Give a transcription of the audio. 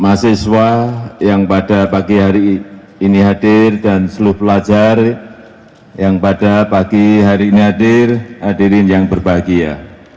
mahasiswa yang pada pagi hari ini hadir dan seluruh pelajar yang pada pagi hari ini hadir hadirin yang berbahagia